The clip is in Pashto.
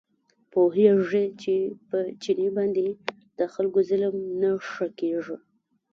پوهېږي چې په چیني باندې د خلکو ظلم نه ښه کېږي.